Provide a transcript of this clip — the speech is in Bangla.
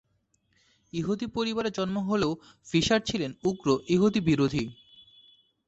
ইহুদী পরিবারে জন্ম হলেও ফিশার ছিলেন উগ্র ইহুদী-বিরোধী।